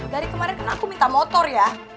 dari kemarin kan aku minta motor ya